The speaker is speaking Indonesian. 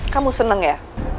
kamu seneng ya